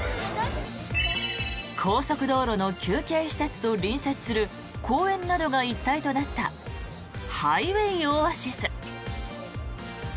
高速道路の休憩施設と隣接する公園などが一体となったハイウェイオアシス。